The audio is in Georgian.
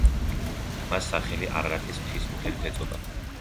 მას სახელი არარატის მთის მიხედვით ეწოდა.